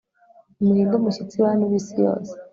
nimuhinde umushyitsi, bantu b'isi yose